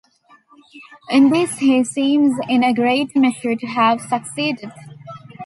In this he seems in a great measure to have succeeded.